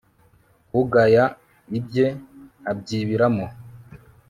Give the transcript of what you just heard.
ugaya ibye abyibiramo